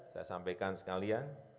saya sampaikan sekalian